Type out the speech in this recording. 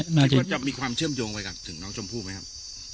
คิดว่าจะมีความเชื่อมโยงไปกับถึงน้องชมพู่ไหมครับ